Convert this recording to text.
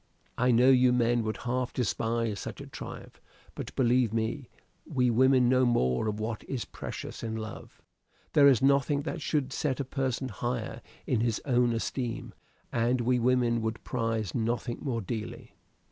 I know you men would half despise such a triumph; but believe me, we women know more of what is precious in love. There is nothing that should set a person higher in his own esteem; and we women would prize nothing more dearly."